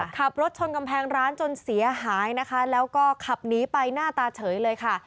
ขับรถชนกำแพงร้านจนเสียหายนะคะแล้วก็ขับหนีไปหน้าตาเฉยเลยค่ะ